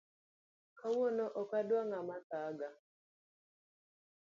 Kawuono ok adwa ngama thaga